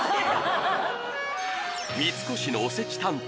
三越のおせち担当